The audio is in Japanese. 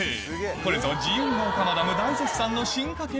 これぞ自由が丘マダム大絶賛の進化系